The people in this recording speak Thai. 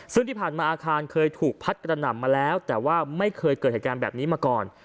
ซึ่งที่ผ่านมาอาคารเคยถูกพัดกระหน่ำมาแล้วแต่ว่าไม่เคยเกิดเหตุการณ์แบบนี้มาก่อน